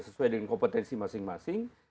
sesuai dengan kompetensi masing masing